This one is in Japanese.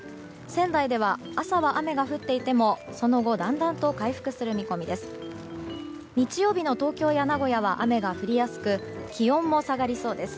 仙台では朝は雨が降っていてもその後、だんだんと回復する見込みです。